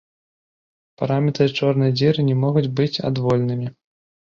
Параметры чорнай дзіры не могуць быць адвольнымі.